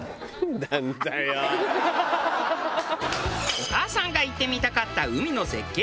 お母さんが行ってみたかった海の絶景